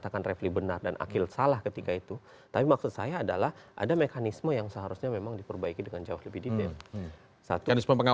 kelompok belief yang ini menuatnya pengawasan